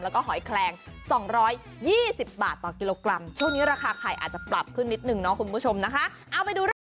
แล้วก็หอยแคลง๒๒๐บาทต่อกิโลกรัมช่วงนี้ราคาไข่อาจจะปรับขึ้นนิดนึงเนาะคุณผู้ชมนะคะ